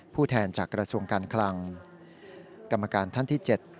แทนจากกระทรวงการคลังกรรมการท่านที่๗